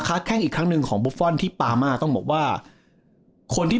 แข้งอีกครั้งหนึ่งของบุฟฟอลที่ปามาต้องบอกว่าคนที่